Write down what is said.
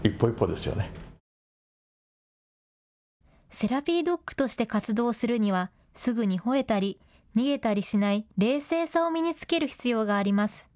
セラピードッグとして活動するには、すぐにほえたり逃げたりしない冷静さを身につける必要があります。